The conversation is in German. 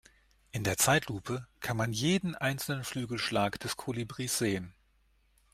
In der Zeitlupe kann man jeden einzelnen Flügelschlag des Kolibris sehen.